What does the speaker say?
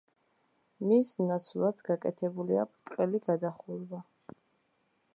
მის ნაცვლად გაკეთებულია ბრტყელი გადახურვა.